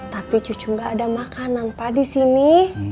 tapi cucu nggak ada makanan pak di sini